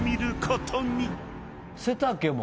背丈も。